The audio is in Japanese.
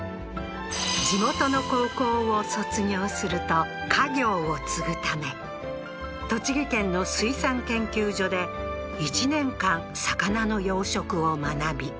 地元の高校を卒業すると家業を継ぐため栃木県の水産研究所で１年間魚の養殖を学び